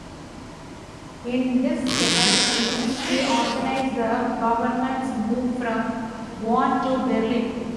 In this capacity, he organized the government's move from Bonn to Berlin.